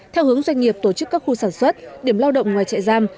theo hướng doanh nghiệp tổ chức các khu sản xuất điểm lao động ngoài chạy giam